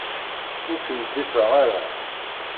Ur kem-ḍḍifeɣ ara.